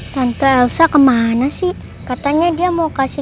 tante ausa kemana sih katanya dia mau kasih